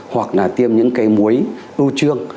hoặc là tiêm những cái muối ưu trương